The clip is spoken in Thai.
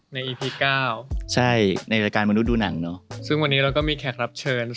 อีพีเก้าใช่ในรายการมนุษย์ดูหนังเนอะซึ่งวันนี้เราก็มีแขกรับเชิญ